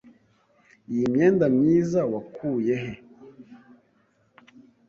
Iyi myenda myiza wakuye he?